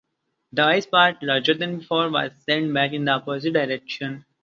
The ice pack, larger than before, was sent back in the opposite direction.